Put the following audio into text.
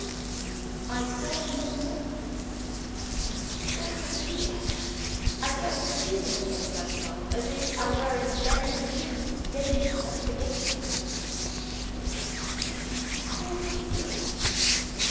I saw him no more. "Eugen Courvoisier" I kept repeating the name to myself, as if I were in the very least danger of forgetting it "Eugen Courvoisier."